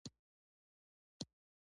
ایا زه چهارمغز خوړلی شم؟